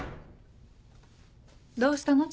どうしたの？